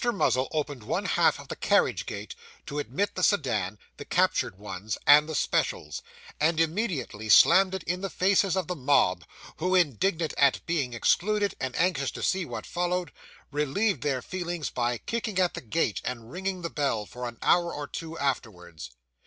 Muzzle opened one half of the carriage gate, to admit the sedan, the captured ones, and the specials; and immediately slammed it in the faces of the mob, who, indignant at being excluded, and anxious to see what followed, relieved their feelings by kicking at the gate and ringing the bell, for an hour or two afterwards.